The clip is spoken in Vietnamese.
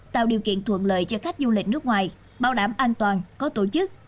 tạo điều kiện thuận lợi cho khách du lịch nước ngoài bảo đảm an toàn có tổ chức